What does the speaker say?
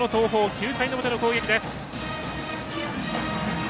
９回の表の攻撃です。